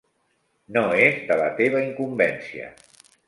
No és de la teva incumbència.